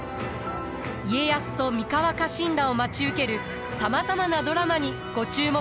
家康と三河家臣団を待ち受けるさまざまなドラマにご注目ください。